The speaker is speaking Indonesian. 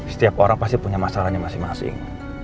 setiap orang pasti punya masalahnya masing masing